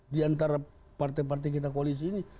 diantara partai partai kita koalisi ini